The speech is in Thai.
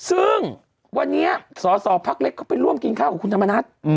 ซึ่งวันนี้สอสอพักเล็กเขาไปร่วมกินข้าวกับคุณธรรมนัฐ